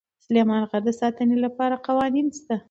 د سلیمان غر د ساتنې لپاره قوانین شته.